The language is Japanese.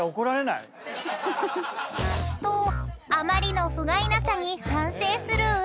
［とあまりのふがいなさに反省する裏で］